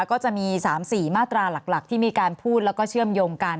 ก็จะมี๓๔มาตราหลักที่มีการพูดแล้วก็เชื่อมโยงกัน